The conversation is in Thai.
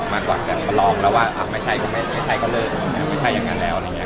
มากกว่าแต่ก็ลองแล้วว่าไม่ใช่ก็ไม่ใช่ก็เลิกไม่ใช่อย่างนั้นแล้วอะไรอย่างนี้